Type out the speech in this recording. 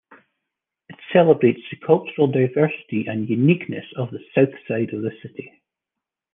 It celebrates the cultural diversity and uniqueness of the Southside of the City.